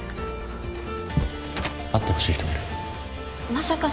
会ってほしい人がいるまさか